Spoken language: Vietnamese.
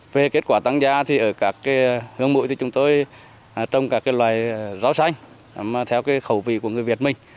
về kết quả tăng gia thì ở các hướng mũi thì chúng tôi trông các loại rau xanh theo khẩu vị của người việt mình